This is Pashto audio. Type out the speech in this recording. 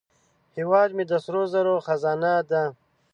هیواد مې د سرو زرو خزانه ده